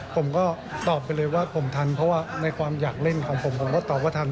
ผมก็ตอบไปเลยว่าผมทันเพราะว่าในความอยากเล่นของผมผมก็ตอบว่าทัน